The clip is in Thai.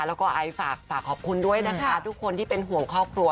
แล้วก็ไอซ์ฝากขอบคุณด้วยนะคะทุกคนที่เป็นห่วงครอบครัว